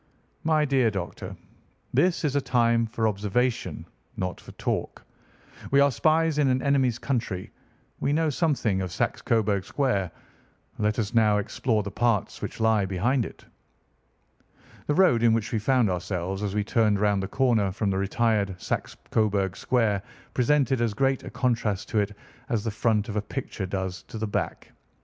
"My dear doctor, this is a time for observation, not for talk. We are spies in an enemy's country. We know something of Saxe Coburg Square. Let us now explore the parts which lie behind it." The road in which we found ourselves as we turned round the corner from the retired Saxe Coburg Square presented as great a contrast to it as the front of a picture does to the back.